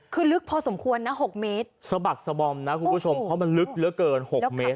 คือลึกพอสมควรนะ๖เมตรสะบักสะบอมนะคุณผู้ชมเพราะมันลึกเหลือเกินหกเมตร